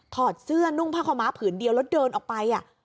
อดเสื้อนุ่งผ้าขาวม้าผืนเดียวแล้วเดินออกไป